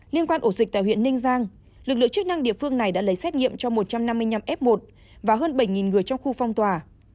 liên quan ổ dịch tại huyện ninh giang lực lượng chức năng địa phương này đã lấy xét nghiệm cho một trăm năm mươi năm f một và hơn bảy người trong khu phong tỏa